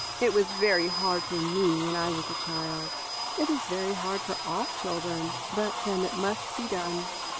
It was very hard for me when I was a child. It is very hard for all children; but then it must be done."